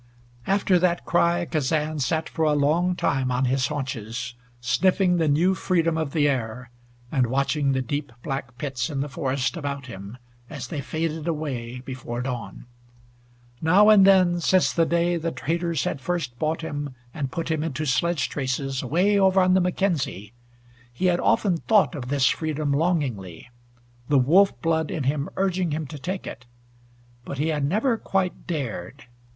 After that cry Kazan sat for a long time on his haunches, sniffing the new freedom of the air, and watching the deep black pits in the forest about him, as they faded away before dawn. 'Now and then, since the day the traders had first bought him and put him into sledge traces away over on the Mackenzie, he had often thought of this freedom longingly, the wolf blood in him urging him to take it. But he had never quite dared.